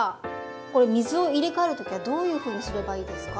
これ水を入れ替える時はどういうふうにすればいいですか？